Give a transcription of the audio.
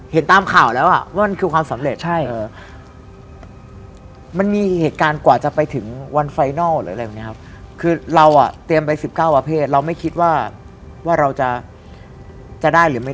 เห็นตามข่าวแล้วว่ามันคือความสำเร็จ